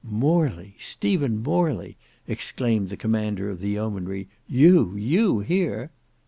"Morley! Stephen Morley!" exclaimed the commander of the yeomanry. "You, you here!"